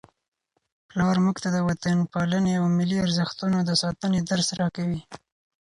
پلار موږ ته د وطنپالنې او ملي ارزښتونو د ساتنې درس راکوي.